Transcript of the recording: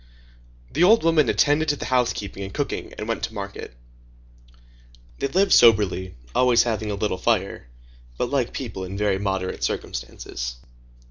The old woman attended to the housekeeping and cooking and went to market. They lived soberly, always having a little fire, but like people in very moderate circumstances.